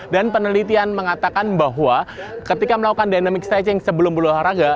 dan penelitian mengatakan bahwa ketika melakukan dynamic stretching sebelum berolahraga